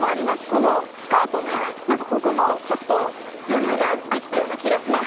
このスカートの何かここもちょっと余裕ができたような気がします